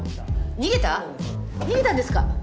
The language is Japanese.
逃げたんですか？